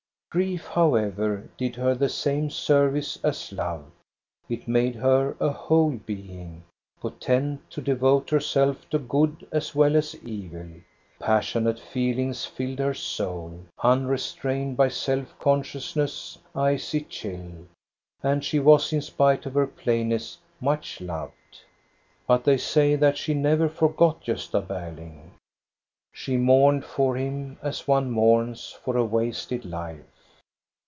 Grief, however, did her the same service as love. It made her a whole being, potent to devote herself to good as well as evil. Passionate feelings filled her soul, unrestrained by self consciousness's icy chill. And she was, in spite of her plainness, much loved. But they say that she never forgot Gosta Berling. Slie mourned for him as one mourns for a wasted life.